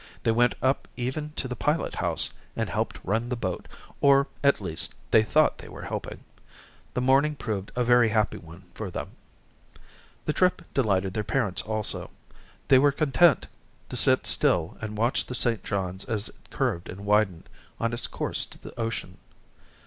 They went up even to the pilot house and helped run the boat, or, at least, they thought they were helping. The morning proved a very happy one for them. The trip delighted their parents also. They were content to sit still and watch the St. Johns as it curved and widened on its course to the ocean.